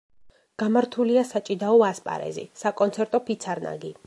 გამართულია საჭიდაო ასპარეზი, საკონცერტო ფიცარნაგი.